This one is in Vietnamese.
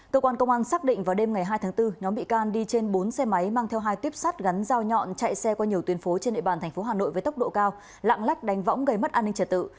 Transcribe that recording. cơ quan công an xác định vào đêm ngày hai tháng bốn nhóm bị can đi trên bốn xe máy mang theo hai tuyếp sắt gắn dao nhọn chạy xe qua nhiều tuyến phố trên địa bàn thành phố hà nội với tốc độ cao lạng lách đánh võng gây mất an ninh trật tự